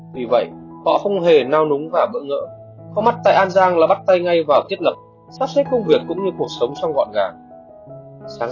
vì vậy họ không hề nao núng và vỡ ngỡ có mặt tại an giang là bắt tay ngay vào thiết lập sắp xếp công việc cũng như cuộc sống trong gọn gàng